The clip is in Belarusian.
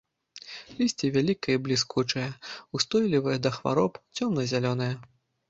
Лісце вялікае і бліскучае, устойлівае да хвароб, цёмна-зялёнае.